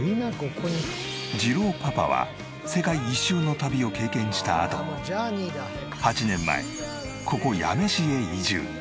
じろうパパは世界一周の旅を経験したあと８年前ここ八女市へ移住。